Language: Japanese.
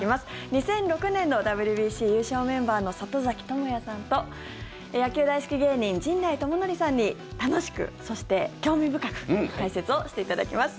２００６年のＷＢＣ優勝メンバーの里崎智也さんと野球大好き芸人、陣内智則さんに楽しく、そして興味深く解説をしていただきます。